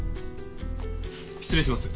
失礼します。